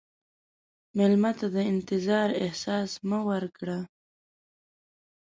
مېلمه ته د انتظار احساس مه ورکړه.